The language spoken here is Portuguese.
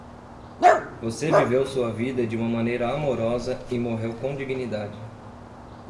Você viveu sua vida de uma maneira amorosa e morreu com dignidade.